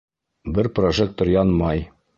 Бер прожектор янмай.